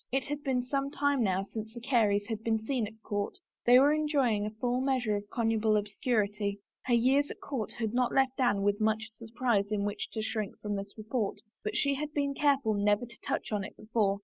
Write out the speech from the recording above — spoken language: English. It had been some time now since the Careys had been seen at court ; they were enjoying a full measure of connubial obscur ity. Her years at court had not left Anne much surprise in which to shrink from this report, but she had been careful never to touch on it before.